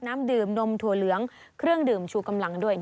น้ำดื่มนมถั่วเหลืองเครื่องดื่มชูกำลังด้วย